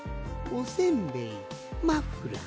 おせんべいマフラー